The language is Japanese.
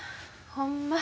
ほんま。